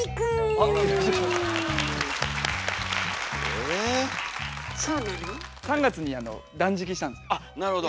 あっなるほど。